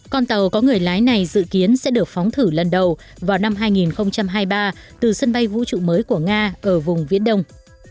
con tàu có người lái này dự kiến sẽ được phóng thử lần đầu vào năm hai nghìn hai mươi ba từ sân bay vũ trụ mới của nga ở vùng viễn đông